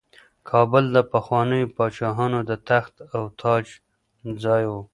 کابل د پخوانیو پاچاهانو د تخت او تاج ځای و.